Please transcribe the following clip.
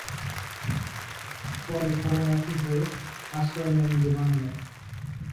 পরে শরণার্থী হয়ে আশ্রয় নেন লেবাননে।